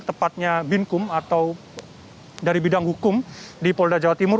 tepatnya binkum atau dari bidang hukum di polda jawa timur